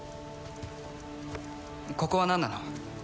ここは何なの？